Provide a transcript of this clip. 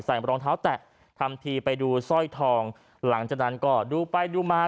รองเท้าแตะทำทีไปดูสร้อยทองหลังจากนั้นก็ดูไปดูมา